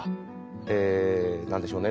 え何でしょうね。